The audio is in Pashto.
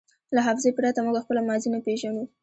له حافظې پرته موږ خپله ماضي نه پېژنو.